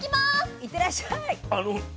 いってらっしゃい。